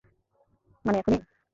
মানে, এখনই?